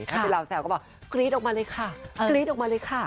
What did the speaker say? ถ้าเป็นเราแซวก็บอกกรี๊ดออกมาเลยค่ะกรี๊ดออกมาเลยค่ะ